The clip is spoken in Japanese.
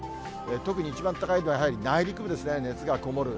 特に一番高いのは、やはり内陸部ですね、熱がこもる。